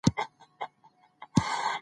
موږ ګناه کار یو چي مو ستا منله